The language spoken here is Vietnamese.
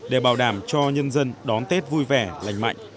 để bảo đảm cho nhân dân đón tết vui vẻ lành mạnh